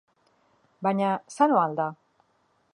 Baina, sanoa al da?